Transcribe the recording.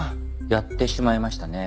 やってしまいましたね。